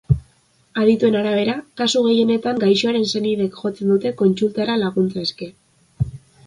Adituen arabera, kasu gehienetan gaixoaren senideek jotzen dute kontsultara laguntza eske.